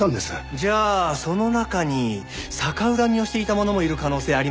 じゃあその中に逆恨みをしていた者もいる可能性ありますね。